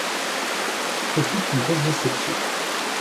Ce fut une grosse déception.